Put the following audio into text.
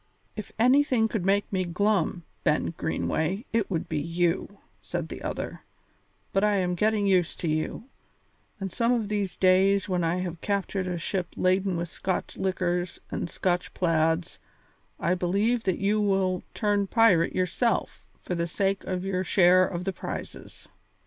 "If anything could make me glum, Ben Greenway, it would be you," said the other; "but I am getting used to you, and some of these days when I have captured a ship laden with Scotch liquors and Scotch plaids I believe that you will turn pirate yourself for the sake of your share of the prizes."